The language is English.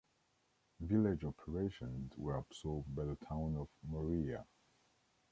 Village operations were absorbed by the Town of Moriah.